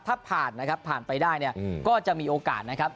ถ้าผ่านนะครับผ่านไปได้เนี่ยก็จะมีโอกาสนะครับ